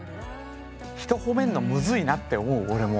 人褒めんのむずいなって思う俺も。